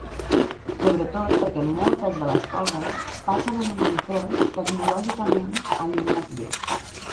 Sobretot perquè moltes de les coses passen en un entorn tecnològicament allunyat d’ells.